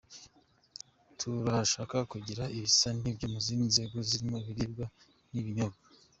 Turashaka kugira ibisa n’ibyo mu zindi nzego zirimo ibiribwa n’ibinyobwa.